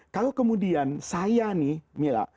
kalau kemudian saya nih mila